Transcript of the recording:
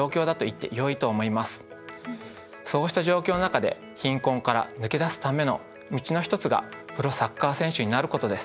そうした状況の中で貧困から抜け出すための道の一つがプロサッカー選手になることです。